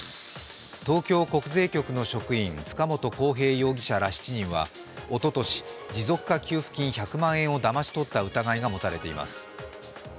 東京国税局の職員塚本晃平容疑者ら７人はおととし持続化給付金１００万円をだまし取った疑いが持たれています。